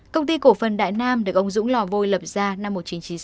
công ty cổ phần đại nam được ông dũng lò vôi lập ra năm một nghìn chín trăm sáu mươi